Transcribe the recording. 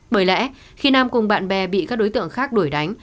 bởi lẽ khi nam cùng bạn bè bị các đối tượng khác đổi đánh